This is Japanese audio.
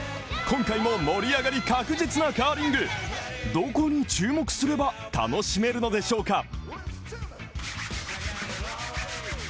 今回も盛り上がり確実どこに注目すれば楽しめるのでしょうか？